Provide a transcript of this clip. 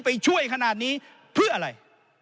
ไปช่วยขนาดนี้เพื่ออะไร